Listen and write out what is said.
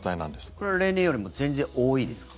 これは例年よりも全然多いですか？